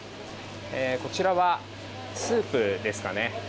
こちらはスープですかね。